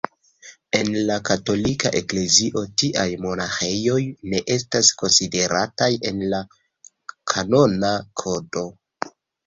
En la Katolika Eklezio tiaj monaĥejoj ne estas konsiderataj en la Kanona Kodo.